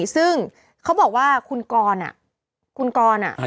ซึ่งเขาบอกว่าคุณกรอ่ะ